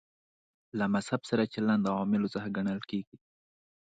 له مذهب سره چلند عواملو څخه ګڼل کېږي.